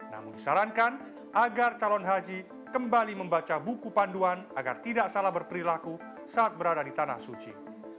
namun disarankan agar calon haji kembali membaca buku panduan agar tidak salah berperilaku saat berada di tanah suci